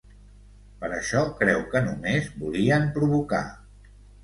Per això, creu que només volien ‘provocar’.